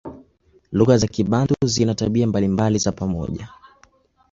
Lugha za Kibantu zina tabia mbalimbali za pamoja.